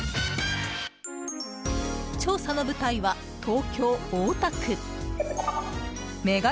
調査の舞台は、東京・大田区ＭＥＧＡ